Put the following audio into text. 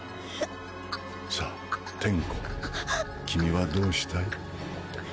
さァ転弧君はどうしたい？